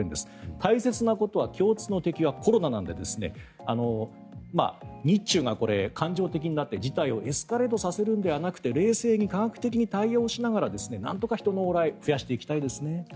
大切なことは共通の敵はコロナなので日中が感情的になって、事態をエスカレートさせるのではなく冷静に科学的に対応しながらなんとか人の往来を増やしていきたいですね。